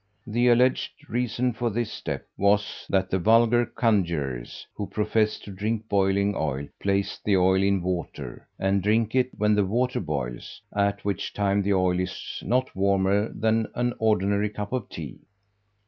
The alleged reason for this step was, that the vulgar conjurors, who profess to drink boiling oil, place the oil in water, and drink it when the water boils, at which time the oil is not warmer than an ordinary cup of tea.